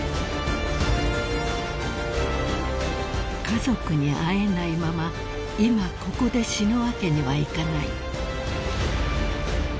［家族に会えないまま今ここで死ぬわけにはいかない］